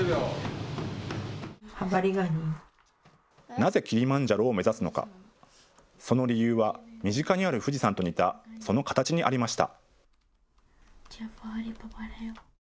なぜキリマンジャロを目指すのか、その理由は身近にある富士山と似たその形にありました。